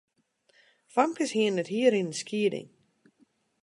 Famkes hiene it hier yn in skieding.